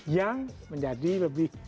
yang menjadi lebih